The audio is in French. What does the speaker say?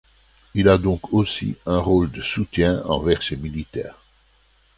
Il a donc aussi un rôle de soutien envers ces militaires.